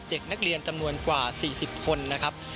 เด็กนักเรียนจำนวนกว่า๔๐คนนะครับ